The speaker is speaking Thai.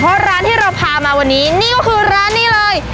เพราะร้านที่เราพามาวันนี้นี่ก็คือร้านนี้เลย